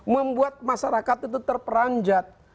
membuat masyarakat itu terperanjat